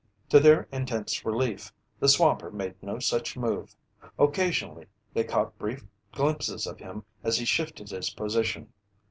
To their intense relief, the swamper made no such move. Occasionally, they caught brief glimpses of him as he shifted his position.